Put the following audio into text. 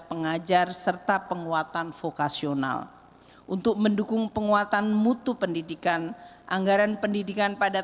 pengajar serta penguatan vokasional untuk mendukung penguatan mutu pendidikan anggaran pendidikan pada